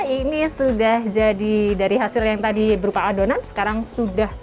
ini sudah jadi dari hasil yang tadi berupa adonan sekarang sudah jadi adonan yang lebih padat